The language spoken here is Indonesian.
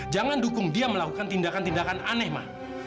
jangan dukung dia melakukan tindakan tindakan aneh mah